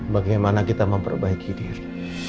bagaimana kita memperbaiki diri